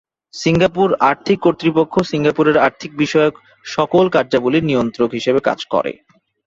Singapore আর্থিক কর্তৃপক্ষ সিঙ্গাপুরের আর্থিক বিষয়ক সকল কার্যাবলীর নিয়ন্ত্রক হিসেবে কাজ করে।